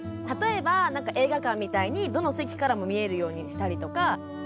例えば映画館みたいにどの席からも見えるようにしたりとか。